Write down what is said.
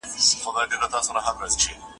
نارې کړې